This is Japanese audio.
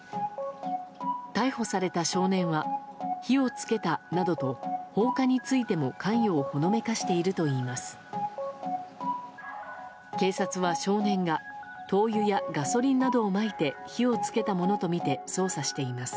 逮捕された少年は火を付けたなどと放火についても、関与をほのめかしているといいます。